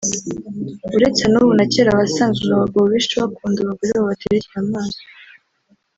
uretse n’ubu na kera wasangaga abagabo benshi bakunda abagore babaterekera amaso